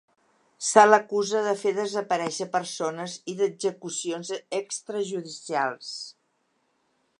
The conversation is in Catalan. Se l’acusa de fer desaparèixer persones i d’execucions extrajudicials.